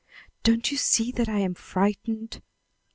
Don't you see that I am frightened?"